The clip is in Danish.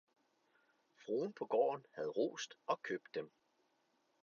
fruen på gården havde rost og købt dem.